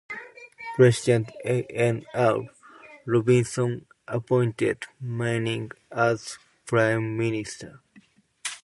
President A. N. R. Robinson appointed Manning as Prime Minister.